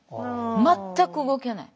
全く動けない。